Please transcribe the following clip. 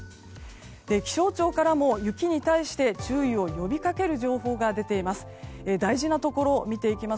気象庁からも雪に対して注意を呼び掛ける情報が出ています。